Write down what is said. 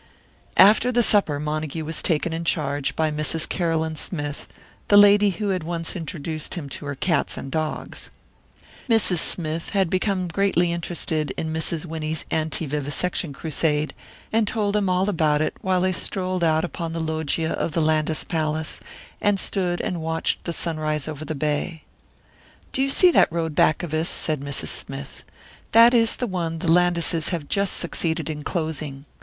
After the supper Montague was taken in charge by Mrs. Caroline Smythe, the lady who had once introduced him to her cats and dogs. Mrs. Smythe had become greatly interested in Mrs. Winnie's anti vivisection crusade, and told him all about it while they strolled out upon the loggia of the Landis palace, and stood and watched the sunrise over the bay. "Do you see that road back of us?" said Mrs. Smythe. "That is the one the Landises have just succeeded in closing.